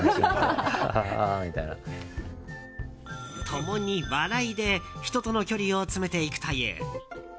共に笑いで人との距離を詰めていくという。